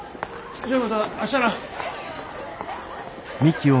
じゃあまた明日な。